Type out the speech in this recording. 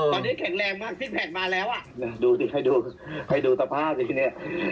ตอนนี้แข็งแรงมากซิกแพคมาแล้วอ่ะดูสิใครดูให้ดูสภาพสิเนี่ย